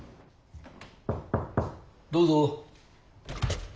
どうぞ。